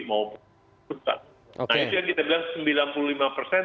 maupun keputusan nah itu yang kita bilang